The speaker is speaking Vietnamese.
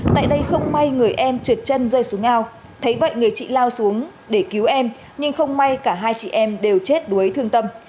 tại đây không may người em trượt chân rơi xuống ngao thấy vậy người chị lao xuống để cứu em nhưng không may cả hai chị em đều chết đuối thương tâm